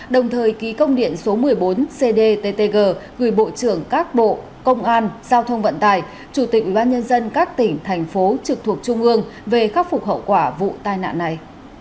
đồng thời ký công điện số một mươi bốn cdttg gửi bộ trưởng các bộ công an giao thông vận tài chủ tịch ubnd các tỉnh thành phố trực thuộc trung ương về khắc phục hậu quả vụ tai nạn này